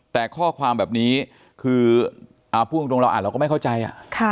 แต่ข้อความแบบนี้คืออ่าผู้จงเราอ่านเราก็ไม่เข้าใจอ่ะค่ะ